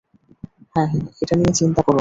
হ্যাঁ, হ্যাঁ, এটা নিয়ে চিন্তা করো না।